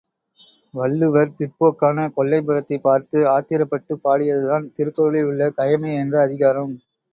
வள்ளுவர் பிற்போக்கான கொல்லைப் புறத்தைப் பார்த்து ஆத்திரப்பட்டுப் பாடியதுதான் திருக்குறளில் உள்ள கயமை என்ற அதிகாரம்.